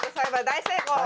大成功。